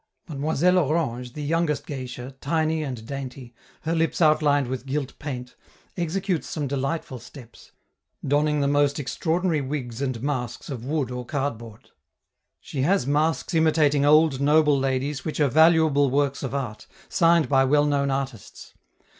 Mademoiselle Orange, the youngest geisha, tiny and dainty, her lips outlined with gilt paint, executes some delightful steps, donning the most extraordinary wigs and masks of wood or cardboard. She has masks imitating old, noble ladies which are valuable works of art, signed by well known artists.